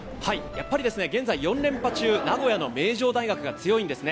やっぱり現在４連覇中、名古屋の名城大学が強いんですね。